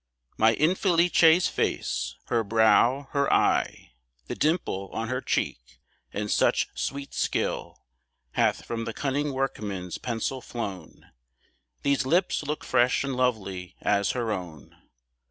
My Infelice's face, her brow, her eye, The dimple on her cheek; and such sweet skill Hath from the cunning workman's pencil flown, These lips look fresh and lovely as her own.